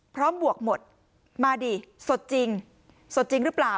บวกหมดมาดิสดจริงสดจริงหรือเปล่า